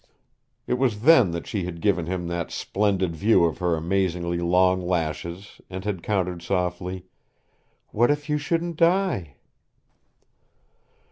It was then that she had given him that splendid view of her amazingly long lashes and had countered softly, "What if you shouldn't die?"